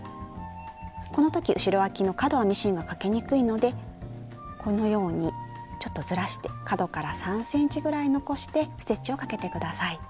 このとき後ろあきの角はミシンがかけにくいのでこのようにちょっとずらして角から３ｃｍぐらい残してステッチをかけて下さい。